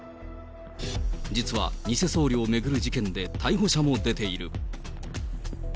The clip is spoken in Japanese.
実は偽僧侶を巡る事件で逮捕者も出ている。